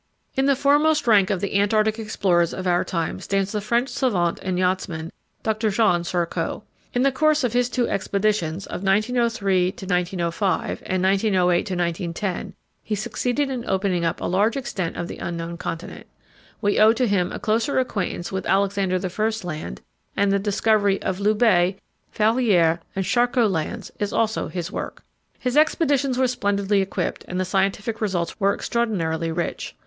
In the foremost rank of the Antarctic explorers of our time stands the French savant and yachtsman, Dr. Jean Charcot. In the course of his two expeditions of 1903 1905 and 1908 1910 he succeeded in opening up a large extent of the unknown continent. We owe to him a closer acquaintance with Alexander I. Land, and the discovery of Loubet, Fallières and Charcot Lands is also his work. His expeditions were splendidly equipped, and the scientific results were extraordinarily rich.